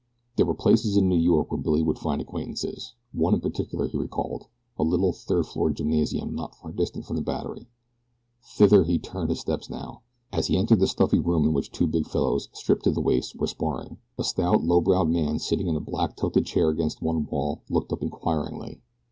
There were places in New York where Billy would find acquaintances. One in particular he recalled a little, third floor gymnasium not far distant from the Battery. Thither he turned his steps now. As he entered the stuffy room in which two big fellows, stripped to the waist, were sparring, a stout, low browed man sitting in a back tilted chair against one wall looked up inquiringly.